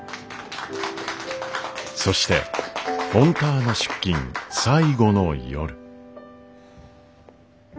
・そしてフォンターナ出勤最後の夜。